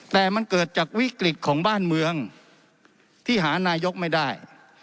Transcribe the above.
แต่มันเกิดจากวิกฤตของบ้านเมืองที่หานายกไม่ได้